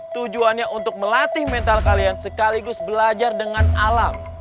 tujuannya untuk melatih mental kalian sekaligus belajar dengan alam